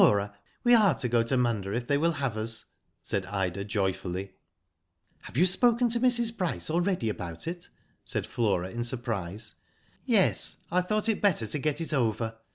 *' Flora, we are to go to Munda if they will have us," said Ida, joyfully. "Have you spoken to Mrs. Bryce already about it?" said Flora, in surprise. *'Ycs. I thought it better to get it over.